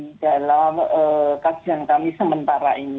di dalam kajian kami sementara ini